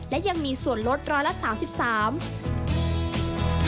และยังมีส่วนลด๑๓๓บาท